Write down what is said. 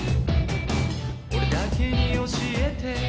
俺だけに教えて？